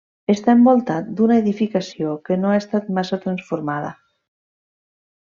Està envoltat d'una edificació que no ha estat massa transformada.